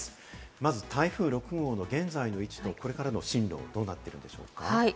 まず台風６号の現在の位置とこれからの進路、どうなっていくでしょうか？